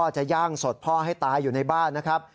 จะย่างศพพ่อให้ตายอยู่ในบ้านนะครับ